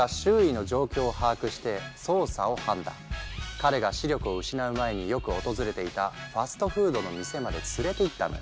彼が視力を失う前によく訪れていたファストフードの店まで連れて行ったのよ！